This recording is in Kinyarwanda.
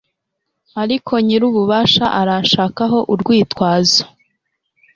ariko nyir'ububasha aranshakaho urwitwazo